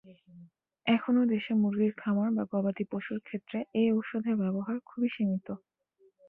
এখনও দেশে মুরগির খামার বা গবাদি পশুর ক্ষেত্রে এ ঔষধের ব্যবহার খুবই সীমিত।